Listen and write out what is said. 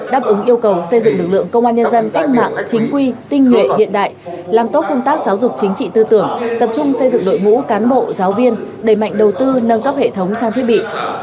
đáp ứng yêu cầu xây dựng lực lượng công an nhân dân cách mạng chính quy tinh nhuệ hiện đại làm tốt công tác giáo dục chính trị tư tưởng tập trung xây dựng đội ngũ cán bộ giáo viên đẩy mạnh đầu tư nâng cấp hệ thống trang thiết bị